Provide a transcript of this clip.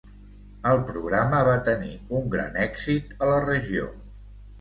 El programa va tenir un gran èxit a la regió.